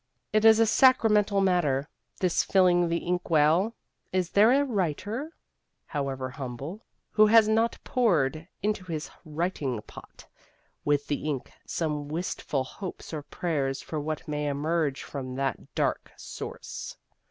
It is a sacramental matter, this filling the ink well. Is there a writer, however humble, who has not poured into his writing pot, with the ink, some wistful hopes or prayers for what may emerge from that dark source?